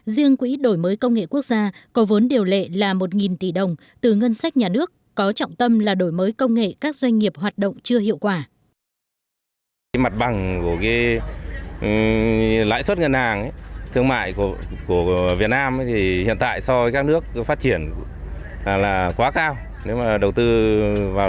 riêng quỹ đổi mới công nghệ quốc gia có vốn điều lệ là một tỷ đồng từ ngân sách nhà nước có trọng tâm là đổi mới công nghệ các doanh nghiệp hoạt động chưa hiệu quả